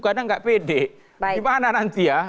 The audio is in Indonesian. kadang nggak pede gimana nanti ya